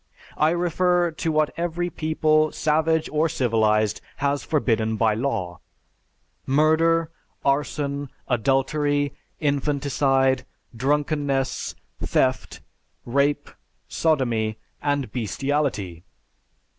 I refer to what every people, savage or civilized, has forbidden by law: murder, arson, adultery, infanticide, drunkenness, theft, rape, sodomy, and bestiality.